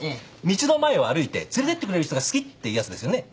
道の前を歩いて連れてってくれる人が好きっていうやつですよね。